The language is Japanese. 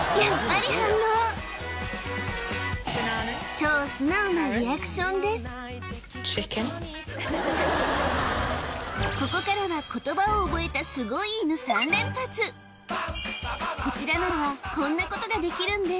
チキンここからは言葉を覚えたすごい犬３連発こちらのノアはこんなことができるんです・